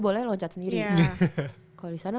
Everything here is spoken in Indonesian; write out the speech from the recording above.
boleh loncat sendiri kalau di sana